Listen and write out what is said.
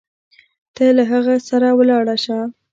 ته له هغه سره ولاړه شه.